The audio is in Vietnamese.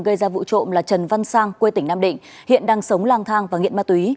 gây ra vụ trộm là trần văn sang quê tỉnh nam định hiện đang sống lang thang và nghiện ma túy